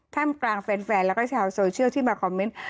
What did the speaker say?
กลางแฟนแล้วก็ชาวโซเชียลที่มาคอมเมนต์